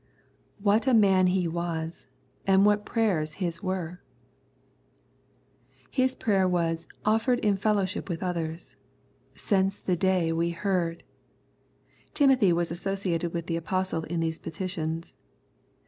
What a man he was, and what prayers his were ! His prayer was o ffered in fellowship with others —^^ Since the day we heard?'^ Tim othy was associated with the Apostle in these petitions.